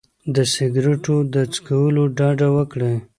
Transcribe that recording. د سګرټو له څکولو ډډه وکړئ.